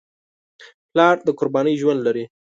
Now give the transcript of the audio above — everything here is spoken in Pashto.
پلار د قربانۍ ژوند لري.